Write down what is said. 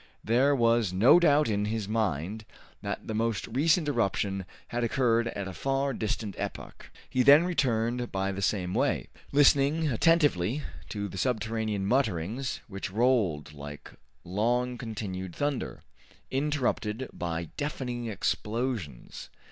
There was no doubt in his mind that the most recent eruption had occurred at a far distant epoch. He then returned by the same way, listening attentively to the subterranean mutterings which rolled like long continued thunder, interrupted by deafening explosions.